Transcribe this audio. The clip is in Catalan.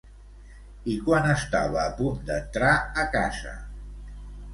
I quan estava a punt d'entrar a casa?